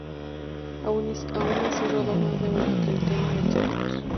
Aun así rodó más de una treintena de títulos.